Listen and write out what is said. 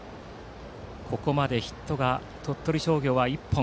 ここまでヒットが鳥取商業は１本。